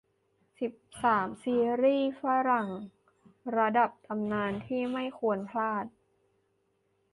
สิบสาม ซีรีส์ฝรั่งระดับตำนานที่ไม่ควรพลาด